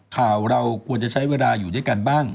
ข่าวเราควรจะใช้เวลาอยู่ด้วยกันบ้าง